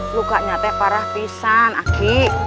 lukanya teg parah pisang aki